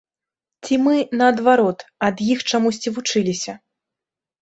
Ці мы, наадварот, ад іх чамусьці вучыліся?